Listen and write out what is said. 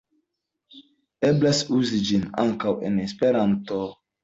Eblas uzi ĝin ankaŭ en Esperanto.